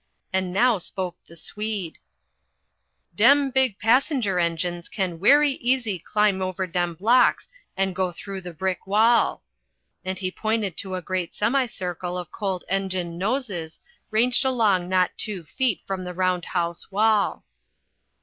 And now spoke the Swede: "Dem big passenger engines can werry easy climb over dem blocks and go through the brick wall," and he pointed to a great semicircle of cold engine noses, ranged along not two feet from the round house wall.